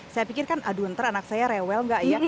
saya pikir kan aduh ntar anak saya rewel gak ya